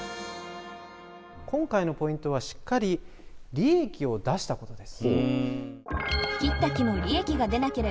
今回のポイントはしっかり利益を出したことです。